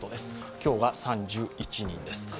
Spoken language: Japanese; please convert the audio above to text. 今日が３１人です。